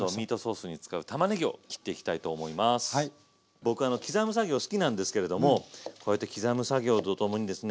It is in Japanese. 僕あの刻む作業好きなんですけれどもこうやって刻む作業とともにですね